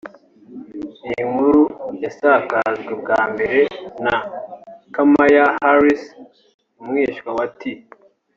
Iyi nkuru yasakajwe bwa mbere na Kamaya Harris umwishywa wa T